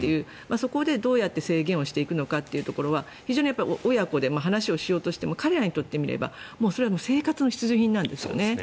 そこでどうやって制限していくのかは非常に親子で話をしようとしても彼らにとってみれば、それはもう生活の必需品なんですよね。